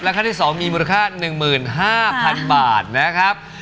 ขั้นที่๒มีมูลค่า๑๕๐๐๐บาทนะครับ